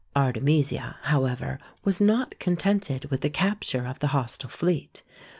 Artemisia, how ever, was not contented with the capture of the hostile fleet.